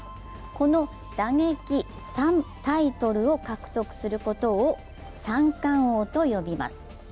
この打撃３タイトルを獲得することを三冠王と呼びます。